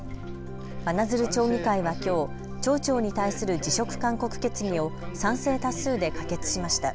真鶴町議会はきょう町長に対する辞職勧告決議を賛成多数で可決しました。